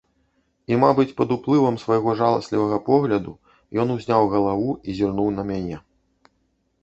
І, мабыць, пад уплывам майго жаласлівага погляду ён узняў галаву і зірнуў на мяне.